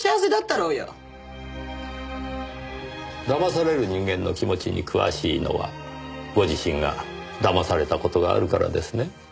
騙される人間の気持ちに詳しいのはご自身が騙された事があるからですね？